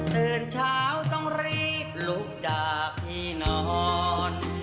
ตื่นเช้าต้องรีบลุกดาบที่นอน